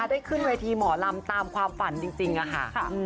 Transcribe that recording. ได้ขึ้นเวทีหมอลำตามความฝันจริงค่ะ